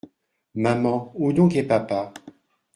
Maman, où donc est papa ?